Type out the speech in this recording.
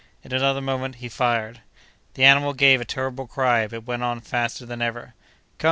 In another moment he fired. The animal gave a terrible cry, but went on faster than ever. "Come!"